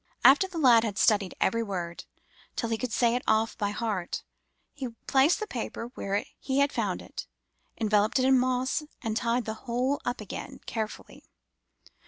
After the lad had studied every word, till he could say it off by heart, he placed the paper where he had found it, enveloped it in moss, and tied the whole up again carefully.